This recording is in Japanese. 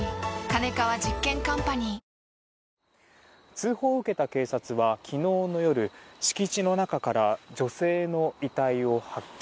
通報を受けた警察は昨日の夜敷地の中から女性の遺体を発見。